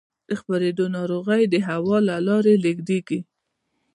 د خپرېدو ناروغۍ د هوا له لارې لېږدېږي.